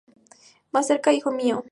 Más cerca, hijo mío.